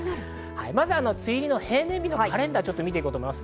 まず梅雨入りの平年日のカレンダーを見ます。